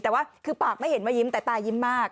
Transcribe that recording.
แต่ว่าคือปากไม่เห็นว่ายิ้มแต่ตายิ้มมาก